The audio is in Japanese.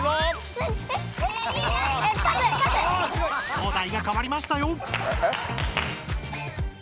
お題がかわりましたよ！